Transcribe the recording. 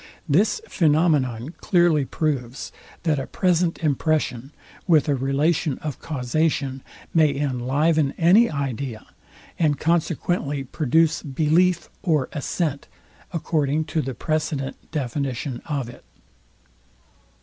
This phænomenon clearly proves, that a present impression with a relation of causation may, inliven any idea, and consequently produce belief or assent, according to the precedent definition of it.